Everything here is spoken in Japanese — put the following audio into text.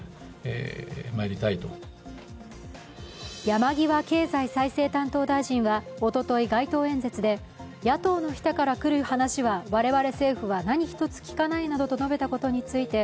山際経済再生担当大臣はおととい、街頭演説で野党の人から来る話は我々政府は何一つ聞かないなどと述べたことについて